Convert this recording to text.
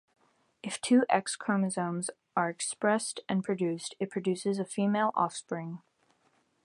If two X chromosomes are expressed and produced, it produces a female offspring.